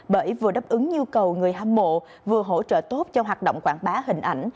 bởi vừa đáp ứng nhu cầu người hâm mộ vừa hỗ trợ tốt cho hoạt động quảng bá hình ảnh